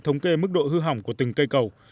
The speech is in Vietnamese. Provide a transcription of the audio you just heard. thống kê mức độ hư hỏng của từng cây cầu